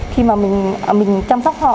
khi mà mình chăm sóc họ